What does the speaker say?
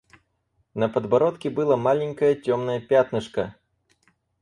На подбородке было маленькое темное пятнышко.